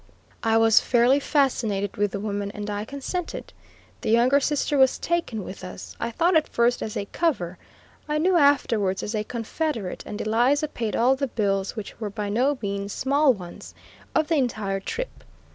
I was fairly fascinated with the woman and I consented. The younger sister was taken with us, I thought at first as a cover, I knew afterwards as a confederate, and Eliza paid all the bills, which were by no means small ones, of the entire trip.